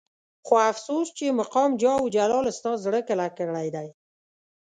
خو افسوس چې مقام جاه او جلال ستا زړه کلک کړی دی.